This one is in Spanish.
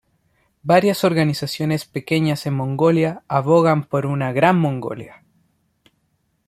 Varias organizaciones pequeñas en Mongolia abogan por una Gran Mongolia.